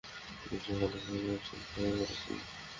তুমি সেখানে আমার মায়ের সাথে দেখা করেছিলে।